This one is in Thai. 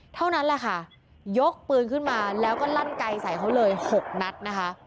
เท่านั้นแหละค่ะยกปืนขึ้นมาแล้วก็ลั่นไกลใส่เขาเลย๖นัดนะคะ